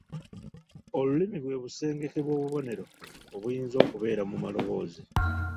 Olulimi bwe busengeke bw’obubonero obuyinza okubeera mu maloboozi.